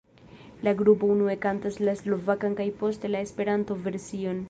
La grupo unue kantas la slovakan kaj poste la Esperanto-version.